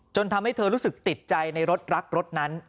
ทำให้เธอรู้สึกติดใจในรถรักรถนั้น